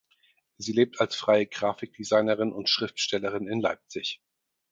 Sie lebt als freie Grafikdesignerin und Schriftstellerin in Leipzig.